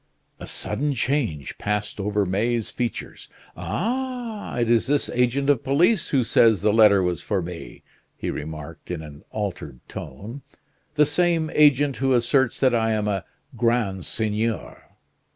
A sudden change passed over May's features. "Ah! it is this agent of police who says the letter was for me," he remarked in an altered tone. "The same agent who asserts that I am a grand seigneur."